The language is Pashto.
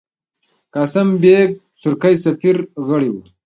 قاسم بېګ، ترکی سفیر، غړی وو.